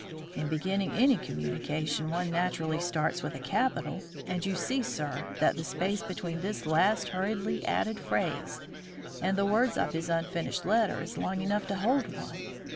In beginning any communication, one naturally starts with a capital, and you see, sir, that the space between this last hurriedly added phrase and the words of his unfinished letter is long enough to hold one.